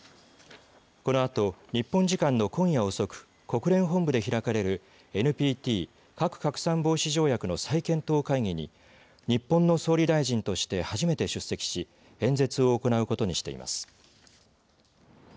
このあと日本時間の今夜遅く国連本部で開かれるＮＰＴ、核拡散防止条約の再検討会議に日本の総理大臣と初めて出席し演説を行うことにしています。